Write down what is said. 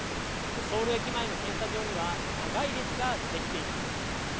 ソウル駅前の検査場には、長い列が出来ています。